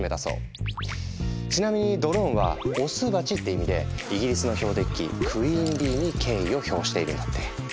ちなみに「Ｄｒｏｎｅ」は「オス蜂」って意味でイギリスの標的機ＱｕｅｅｎＢｅｅに敬意を表しているんだって。